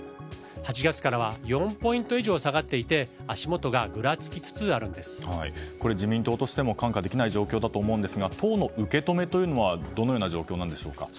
８月からは４ポイント以上下がっていて自民党としても看過できない状況だと思いますが党の受け止めというのはどのような状況でしょうか。